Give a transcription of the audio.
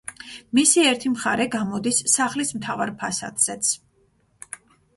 მისი ერთი მხარე გამოდის სახლის მთავარ ფასადზეც.